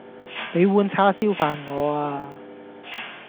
比碗叉燒飯我呀